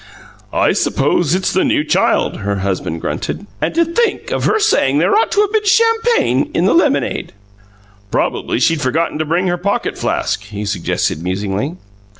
"I suppose it's the New Child," her husband grunted. "And to think of her saying there ought to have been champagne in the lemonade!" "Probably she'd forgotten to bring her pocket flask," he suggested musingly.